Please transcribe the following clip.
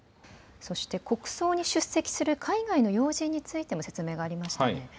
そして、国葬に出席する海外の要人についても説明がありまし